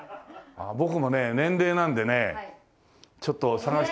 僕もね年齢なんでねちょっと探して。